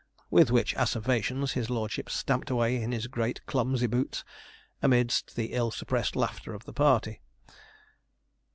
With which asseverations his lordship stamped away in his great clumsy boots, amidst the ill suppressed laughter of the party.